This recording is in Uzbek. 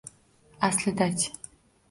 Aslida-chi?!